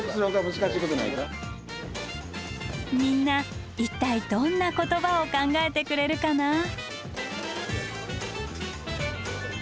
みんな一体どんな言葉を考えてくれるかな？